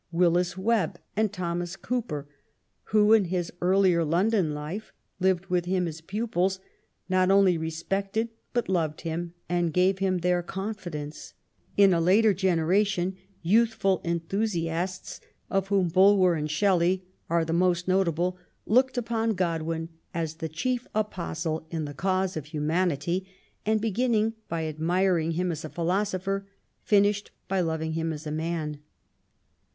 Willis Webb and Thomas Cooper, who, in his earlier London life, lived with him as pupils, not only re spected, but loved him, and gave him their confidence. In a later generation, youthful enthusiasts, of whom 12 ♦ 180 MARY W0LL8T0NECBAFT GODWIN. Bnlwer and Shelley are the most notable, looked npon (Godwin as the chief apostle in the cause of humanity^ and, beginning by admiring him as a philosopher^ finished by loving him as a man.